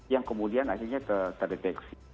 yang kemudian akhirnya terdeteksi